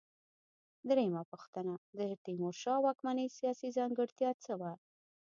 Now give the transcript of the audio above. درېمه پوښتنه: د تیمورشاه د واکمنۍ سیاسي ځانګړتیا څه وه؟